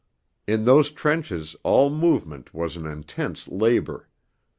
In those trenches all movement was an intense labour.